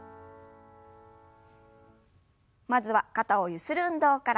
まずは肩をゆする運動から。